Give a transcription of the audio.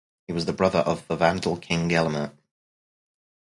He was the brother of the Vandal king Gelimer.